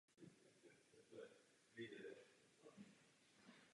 Nejbližším velkým městem je Fulda.